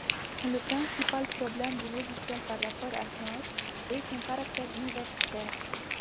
Le principal problème du logiciel par rapport à Snort est son caractère universitaire.